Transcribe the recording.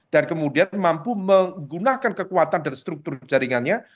dan kemudian mampu menggunakan kekuatan dan struktur jaringannya